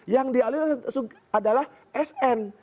yang dialir adalah sn